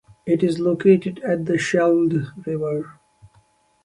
It is located at the Scheldt river.